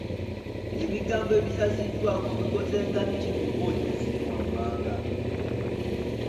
Ebigambo ebisaziddwako bikoze nga ki mu mboozi zino wammanga?